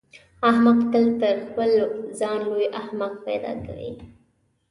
احمق تل تر خپل ځان لوی احمق پیدا کوي.